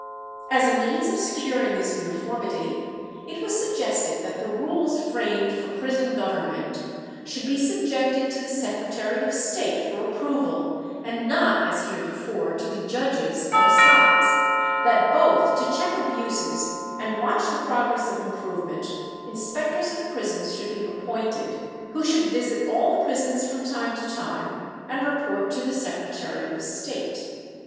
As a means of securing this uniformity, it was suggested that the rules framed for prison government should be subjected to the Secretary of State for approval, and not, as heretofore, to the judges of assize; that, both to check abuses and watch the progress of improvement, inspectors of prisons should be appointed, who should visit all the prisons from time to time and report to the Secretary of State.